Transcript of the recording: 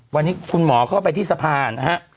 วันนี้คุณหมอเข้าไปที่สะพานนะฮะ